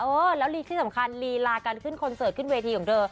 เออแล้วที่สำคัญลีลาการขึ้นคอนเสิร์ตขึ้นเวทีของเธอ